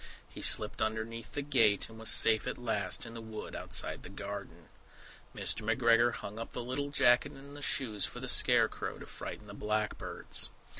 He slipped underneath the gate, and was safe at last in the wood outside the garden. Mr. McGregor hung up the little jacket and the shoes for a scare crow to frighten the blackbirds.